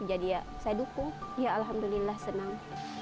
jadi ya saya dukung ya alhamdulillah senang